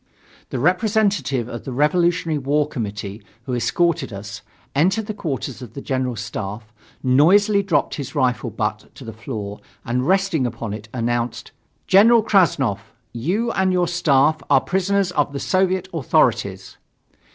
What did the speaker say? The representative of the Revolutionary War Committee, who escorted us, entered the quarters of the General Staff, noisily dropped his rifle butt to the floor and resting upon it, announced: "General Krassnov, you and your staff are prisoners of the Soviet authorities."